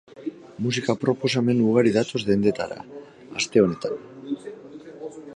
Musika proposamen ugari datoz dendetara, aste honetan.